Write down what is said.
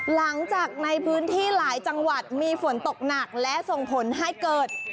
หลังจากในพื้นที่หลายจังหวัดมีฝนตกหนักและส่งผลให้เกิด